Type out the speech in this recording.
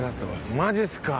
マジっすか。